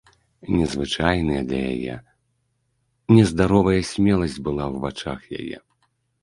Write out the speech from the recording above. Незвычайная для яе, нездаровая смеласць была ў вачах яе.